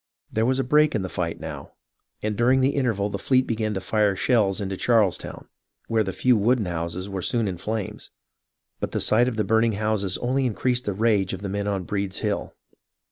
There was a break in the fight now, and during the interval the fleet began to fire shells into Charlestown, where the few wooden houses were soon in flames, but the sight of the burning houses only increased the rage of the men on Breed's Hill.